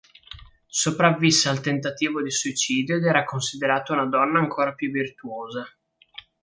Sopravvisse al tentativo di suicidio ed era considerata una donna ancora più virtuosa.